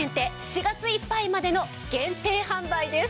４月いっぱいまでの限定販売です。